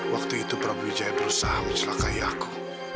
waktu itu rabu wijaya berusaha mencelakai aku